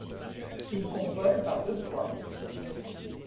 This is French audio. Il convole par deux fois.